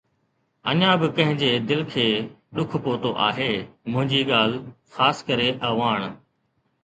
اڃا به ڪنهن جي دل کي ڏک پهتو آهي منهنجي ڳالهه، خاص ڪري اعواڻ.